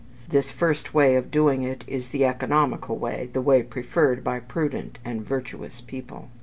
This first way of doing it is the economical way the way preferred by prudent and virtuous people.